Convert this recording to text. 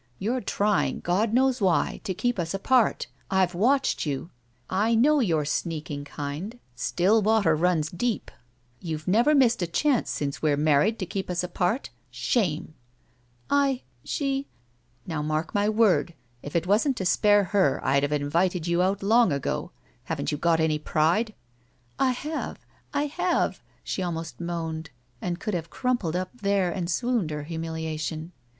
You're trying, God knows why, to keep us apart. I've watdied you. I know your sneaking kind. 47 SHE WALKS IN BEAUTY Still water runs deep. YouVe never missed a chance since we're married to keep us apart. Shame! " "I— She—" "Now mark my word, if it wasn't to spare her I'd have invited you out long ago. Haven't you got any pride?" "I have. I have," she almost moaned, and could have crumpled up there and swooned her humiliation.